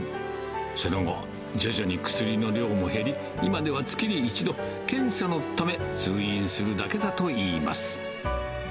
その後、徐々に薬の量も減り、今では月に１度、検査のため、通院するだけだといいます。